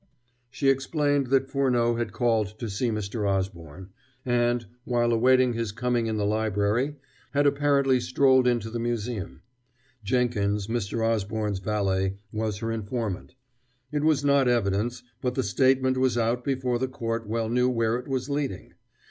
She explained that Furneaux had called to see Mr. Osborne, and, while awaiting his coming in the library, had apparently strolled into the museum. Jenkins, Mr. Osborne's valet, was her informant. It was not evidence, but the statement was out before the court well knew where it was leading.